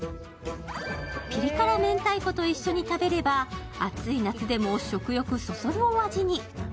ピリ辛明太子と一緒に食べれば暑い夏でも食欲そそるお味に。